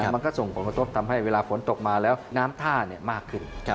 มันก็ส่งผลกระทบทำให้เวลาฝนตกมาแล้วน้ำท่ามากขึ้น